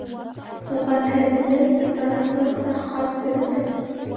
Ғәмһеҙлек, битарафлыҡ та хас беҙгә.